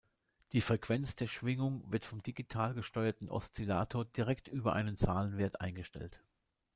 Die Frequenz der Schwingung wird beim digital gesteuerten Oszillator direkt über einen Zahlenwert eingestellt.